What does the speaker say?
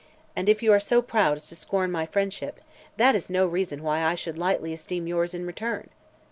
And if you are so proud as to scorn my friendship, that is no reason why I should lightly esteem yours, in return."